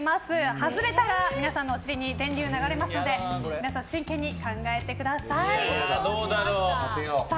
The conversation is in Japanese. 外れたら皆さんのおしりに電流が流れますので皆さん、真剣に考えてください。